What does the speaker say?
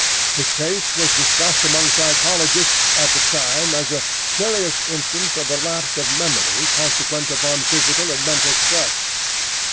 His case was discussed among psychologists at the time as a curious instance of the lapse of memory consequent upon physical and mental stress.